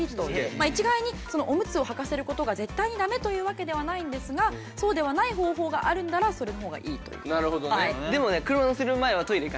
一概にオムツをはかせる事が絶対にダメというわけではないんですがそうではない方法があるんならそれの方がいいという。